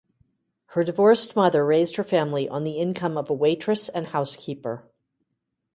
Her divorced mother raised her family on the income of a waitress and housekeeper.